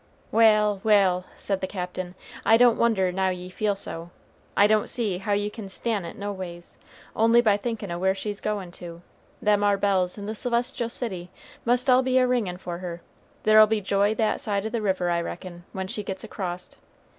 "Wal', wal'," said the Captain, "I don't wonder now ye feel so, I don't see how ye can stan' it no ways only by thinkin' o' where she's goin' to Them ar bells in the Celestial City must all be a ringin' for her, there'll be joy that side o' the river I reckon, when she gets acrost.